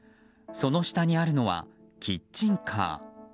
その下にあるのはキッチンカー。